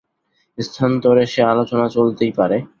স্থানান্তরে সে আলোচনা চলতেই পারে।